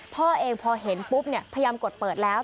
พ่อเองพอเห็นปุ๊บเนี่ยพยายามกดเปิดแล้ว